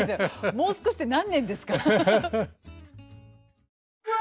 もう少しって何年ですか？